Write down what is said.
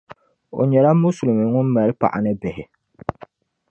O nyɛla musulimi ŋun mali paɣa ni bihi.